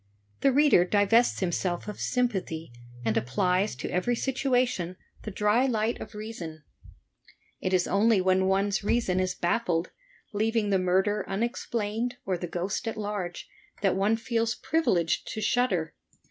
The reader divests himself of sympathy, and applies to every situation the dry light of reason. It is only when one's reason is baffled, leaving the 64 THE TECHNIQUE OF THE MYSTERY STORY* murder unexplained or the ghost at large, that one feels privileged to shudder.